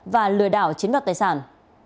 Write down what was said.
và lừa đảo chiến đoạt tài sản